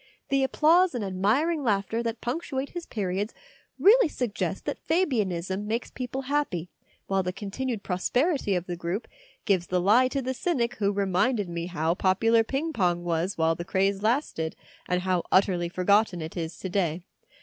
The applause and admiring laughter that punctuate his periods really suggest that Fabianism makes people happy, while the continued prosperity of the group gives the lie to the cynic who reminded me how popular ping pong was while the craze lasted, and how utterly for gotten it is to day.